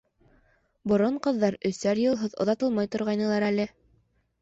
Борон ҡыҙҙар өсәр йылһыҙ оҙатылмай торғайнылар әле.